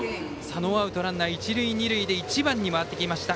ノーアウトランナー、一塁二塁で１番に回ってきました